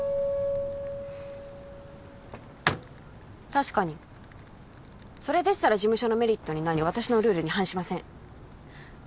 確かにそれでしたら事務所のメリットになり私のルールに反しません